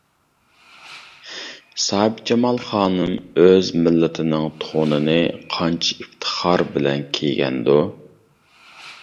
ساھىبجامال خانىم ئۆز مىللىتىنىڭ تونىنى قانچە ئىپتىخار بىلەن كىيگەندۇ.